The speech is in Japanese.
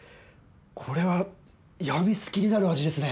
これはやみつきになる味ですね。